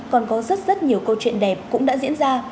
còn có rất rất nhiều câu chuyện đẹp cũng đã diễn ra